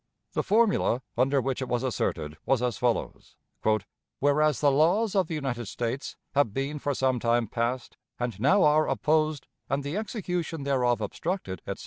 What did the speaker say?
The formula under which it was asserted was as follows: "Whereas the laws of the United States have been for some time past and now are opposed, and the execution thereof obstructed, etc.